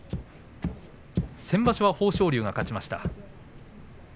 先場所は豊昇龍が勝ちました。